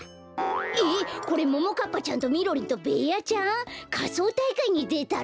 えっこれももかっぱちゃんとみろりんとベーヤちゃん？かそうたいかいにでたの？